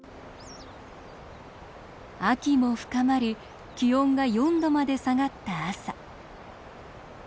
秋も深まり気温が４度まで下がった朝。